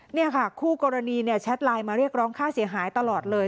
นี่ค่ะคู่กรณีแชทไลน์มาเรียกร้องค่าเสียหายตลอดเลย